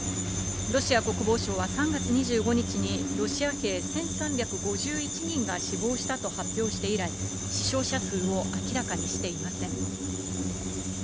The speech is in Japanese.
ロシア国防省は３月２５日に、ロシア兵１３５１人が死亡したと発表して以来、死傷者数を明らかにしていません。